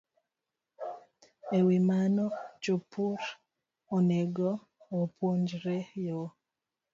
E wi mano, jopur onego opuonjre yo